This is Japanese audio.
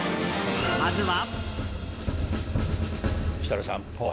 まずは。